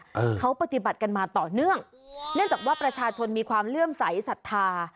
เออเขาปฏิบัติกันมาต่อเนื่องเนื่องจากว่าประชาชนมีความเลื่อมใสสัทธา